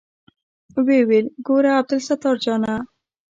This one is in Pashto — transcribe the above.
ويې ويل ګوره عبدالستار جانه.